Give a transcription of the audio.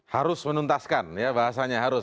harus menuntaskan ya bahasanya harus